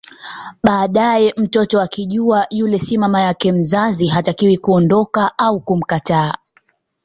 Baadae mtoto akijua yule si mama yake mzazi hatakiwi kuondoka au kumkataa